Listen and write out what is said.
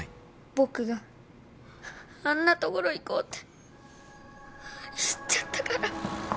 僕があんな所行こうって言っちゃったから。